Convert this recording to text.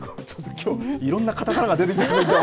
きょう、いろんなかたかなが出てきますね。